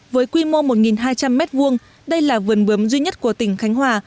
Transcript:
với quy mô một hai trăm linh m hai đây là vườn bướm duy nhất của tỉnh khánh hòa